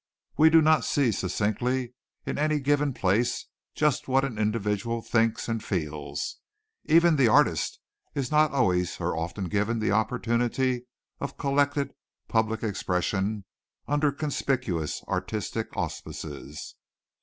We do not see succinctly in any given place just what an individual thinks and feels. Even the artist is not always or often given the opportunity of collected public expression under conspicuous artistic auspices.